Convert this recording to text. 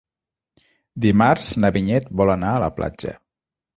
Dimarts na Vinyet vol anar a la platja.